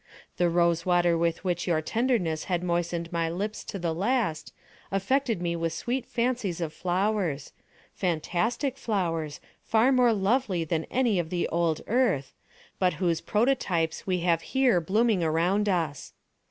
The rose water with which your tenderness had moistened my lips to the last, affected me with sweet fancies of flowers—fantastic flowers, far more lovely than any of the old Earth, but whose prototypes we have here blooming around us.